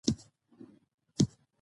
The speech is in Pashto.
خدای ورکړی وو کمال په تول تللی